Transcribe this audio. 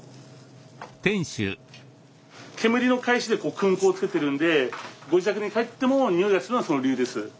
煙のかえしで薫香をつけてるんでご自宅に帰ってもにおいがするのはその理由です。